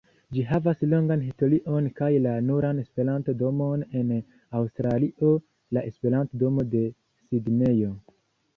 Ĝi havas longan historion kaj la nuran Esperanto-domon en Aŭstralio: la Esperanto-domo de Sidnejo.